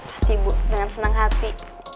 pasti bu dengan senang hati